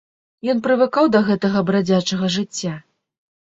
Ён прывыкаў да гэтага брадзячага жыцця.